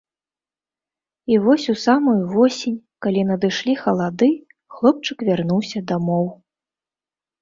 І вось у самую восень, калі надышлі халады, хлопчык вярнуўся дамоў.